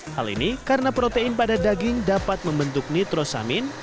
hal ini karena protein pada daging dapat membentuk nitrosamin